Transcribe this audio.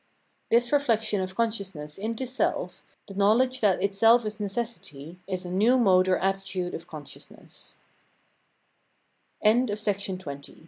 This reflection of consciousness into self, the knowledge that itself is necessity, is a new mode or attitude of consciousne